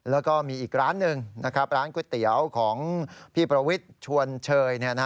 แล้วก็มีอีกร้านหนึ่งนะครับร้านก๋วยเตี๋ยวของพี่ประวิทย์ชวนเชย